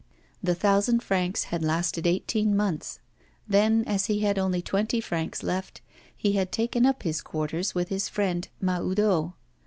The thousand francs had lasted eighteen months. Then, as he had only twenty francs left, he had taken up his quarters with his friend, Mahoudeau.